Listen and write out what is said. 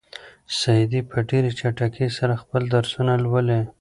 سعید په ډېرې چټکۍ سره خپل درسونه لولي.